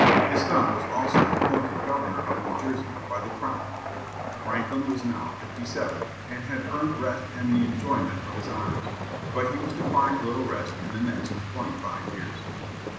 His son was also appointed governor of New Jersey, by the Crown. Franklin was now fifty seven, and had earned rest and the enjoyment of his honors. But he was to find little rest in the next twenty five years.